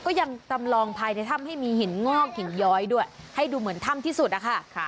ก็ยังจำลองภายในถ้ำให้มีหินงอกหินย้อยด้วยให้ดูเหมือนถ้ำที่สุดอะค่ะ